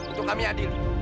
untuk kami adil